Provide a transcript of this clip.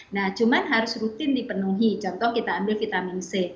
nah cuman harus rutin dipenuhi contoh kita ambil vitamin c